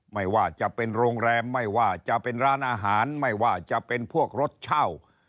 ไม่ว่าจะเป็นโรงแรมไม่ว่าจะเป็นร้านอาหารไม่ว่าจะเป็นพวกรถเช่า